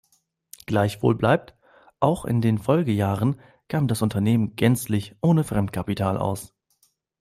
Gleichwohl bleibt: Auch in den Folgejahren kam das Unternehmen gänzlich ohne Fremdkapital aus.